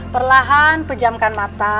perlahan pejamkan mata